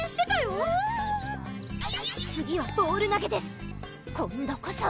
わわわ次はボール投げです今度こそ！